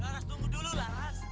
laras tunggu dulu laras